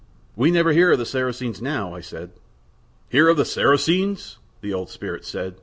"We never hear of the Saracens now," I said. "Hear of the Saracens!" the old spirit said.